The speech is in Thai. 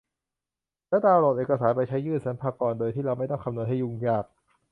แล้วดาวน์โหลดเอกสารไปใช้ยื่นสรรพากรโดยที่เราไม่ต้องคำนวณให้ยุ่งยาก